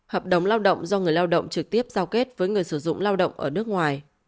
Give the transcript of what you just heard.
hợp đồng lao động do người lao động trực tiếp giao kết với người sử dụng lao động ở nước ngoài